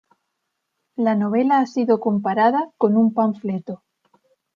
La novela ha sido comparada con un panfleto.